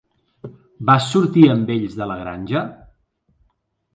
Vas sortir amb ells de La granja?